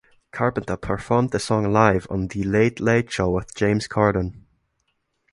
Carpenter performed the song live on "The Late Late Show with James Corden".